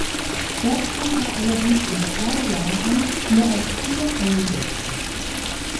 Dort kam er allerdings in zwei Jahren nur auf vier Einsätze.